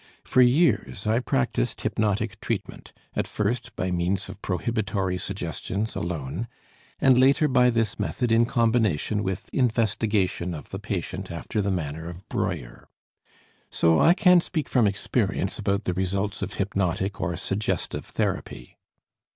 For years I practised hypnotic treatment, at first by means of prohibitory suggestions alone, and later by this method in combination with investigation of the patient after the manner of Breuer. So I can speak from experience about the results of hypnotic or suggestive therapy.